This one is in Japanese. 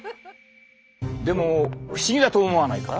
でも不思議だと思わないか？